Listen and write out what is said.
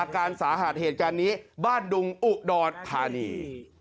กรอดพาณี